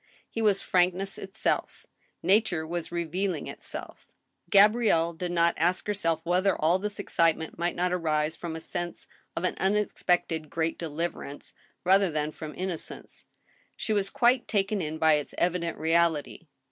He was frankness itself. Nature was revealing itself. Gabrielle did not ask herself whether all this excitement might not arise from a sense of an unexpected great deliverance rather than from innocence. She was quite taken in by its evident reality.